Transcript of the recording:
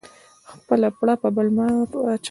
خپله پړه په بل مه ور اچوه